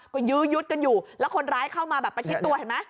ก็ยื้อยุดกันอยู่แล้วคนร้ายเข้ามาแบบประชิดตัวเห็นไหม